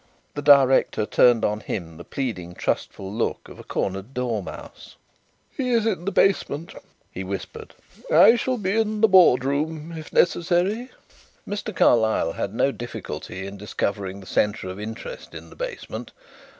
The director turned on him the pleading, trustful look of a cornered dormouse. "He is in the basement," he whispered. "I shall be in the boardroom if necessary." Mr. Carlyle had no difficulty in discovering the centre of interest in the basement.